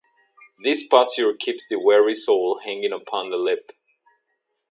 This posture keeps the weary soul hanging upon the lip.